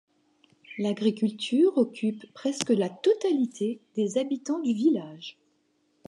L'agriculture occupe presque la totalité des habitants du village.